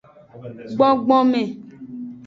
Gbogbome.